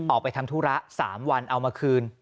ออกไปทำธุระ๓วันเอามาคืน